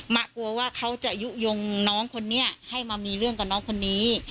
กลัวว่าเขาจะยุโยงน้องคนนี้ให้มามีเรื่องกับน้องคนนี้